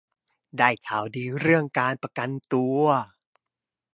ได้ข่าวดีเรื่องการประกันตัว